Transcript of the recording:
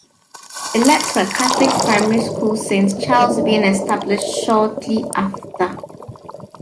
It led to a Catholic primary school Saint Charles being established shortly after.